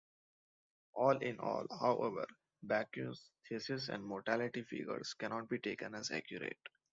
All in all, however, Bacque's thesis and mortality figures cannot be taken as accurate.